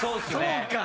そうか。